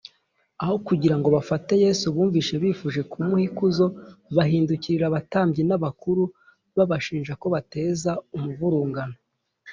aho kugira ngo bafate yesu, bumvise bifuje kumuha ikuzo bahindukiriye abatambyi n’abakuru, babashinja ko bateza umuvurungano